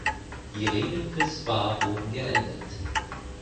Die Regeln für Spa wurden geändert.